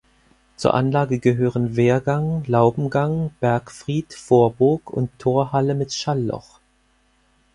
Zur Anlage gehören Wehrgang, Laubengang, Bergfried, Vorburg und Torhalle mit Schallloch.